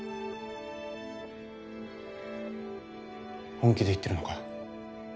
本気で言ってるのか？